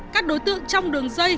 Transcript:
các đối tượng trong đường dây